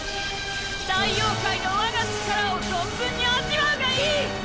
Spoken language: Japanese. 大妖怪の我が力を存分に味わうがいいっ！！